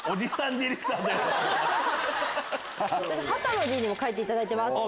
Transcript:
Ｄにも描いていただいてます。